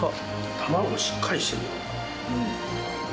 卵、しっかりしてるよ。